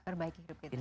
perbaiki hidup kita